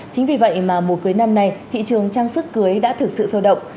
chính vì vậy mà mùa cưới năm nay thị trường trang sức cưới đã thực sự sôi động